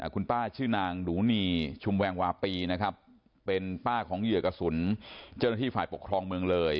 คุณป้าชื่อนางหนูนีชุมแวงวาปีนะครับเป็นป้าของเหยื่อกระสุนเจ้าหน้าที่ฝ่ายปกครองเมืองเลย